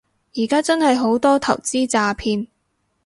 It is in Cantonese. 而家真係好多投資詐騙